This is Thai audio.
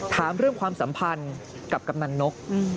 ถามเรื่องความสัมพันธ์กับกำนันนก